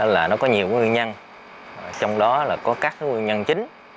là nó có nhiều nguyên nhân trong đó là có các nguyên nhân chính